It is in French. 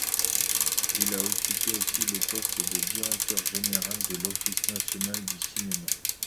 Il a occupé aussi le poste de directeur général de l’office national du cinéma.